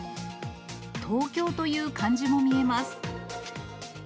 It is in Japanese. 東京という漢字も見えます。